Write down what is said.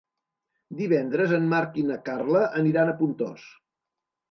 Divendres en Marc i na Carla aniran a Pontós.